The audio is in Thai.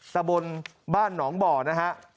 ตะบนบ้านหนองบ่อนะฮะ